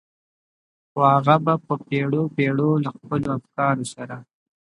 خو هغه به په پېړيو پېړيو له خپلو افکارو سره.